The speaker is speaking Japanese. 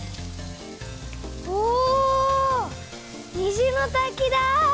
お「にじのたき」だ！